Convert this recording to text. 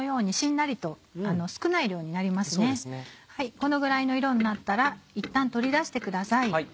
このぐらいの色になったらいったん取り出してください。